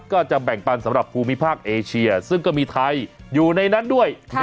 ก็จะแบ่งปันสำหรับภูมิภาคเอเชียซึ่งก็มีไทยอยู่ในนั้นด้วย